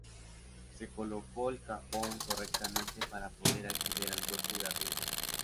Se coloca el cajón correctamente para poder acceder al hueco de arriba.